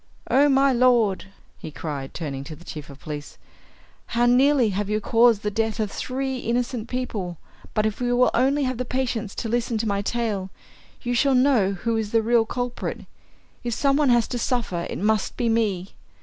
"Oh, my lord," he cried, turning to the chief of police, "how nearly have you caused the death of three innocent people! But if you will only have the patience to listen to my tale, you shall know who is the real culprit. If some one has to suffer, it must be me!